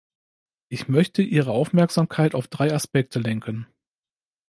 Ich möchte Ihre Aufmerksamkeit auf drei Aspekte lenken.